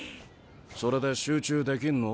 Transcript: それで集中できんの？